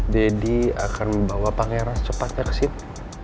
daddy akan bawa pangeran secepatnya ke situ